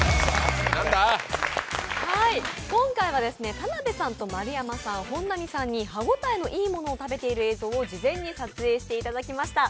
今回は田辺さんと丸山さん、本並さんに歯応えのいいものを食べている映像を事前に撮影していただきました。